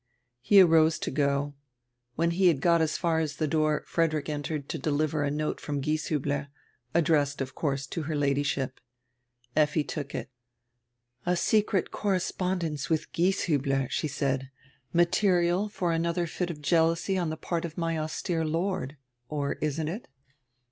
He arose to go. When he had got as far as dre door Frederick entered to deliver a note from Gieshiibler, addressed, of course, to her Ladyship. Effi took it. "A secret correspondence widi Gieshiibler," she said. "Material for anodrer fit of jealousy on dre part of my austere Lord. Or isn't it?"